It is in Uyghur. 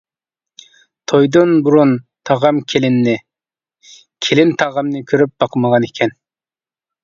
تويدىن بۇرۇن تاغام كېلىننى، كېلىن تاغامنى كۆرۈپ باقمىغانىكەن.